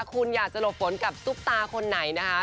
คุณอยากจะหลบฝนกับซุปตาคนไหนนะคะ